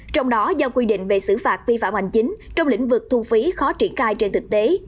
trong đó do quy định về xử phạt vi phạm hành chính trong lĩnh vực thu phí khó triển khai trên thực tế